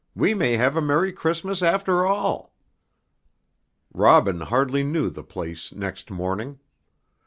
we may have a merry Christmas, after all." Robin hardly knew the place next morning.